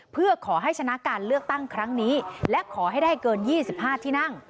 เพื่อขอให้ชนะการเลือกตั้งครั้งนี้และขอให้ได้เกิน๒๕ที่นั่ง